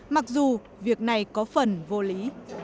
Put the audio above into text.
mặc dù việc này có phần vô lý